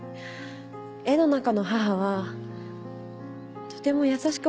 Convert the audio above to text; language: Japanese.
絵の中の母はとても優しくほほ笑んでいました。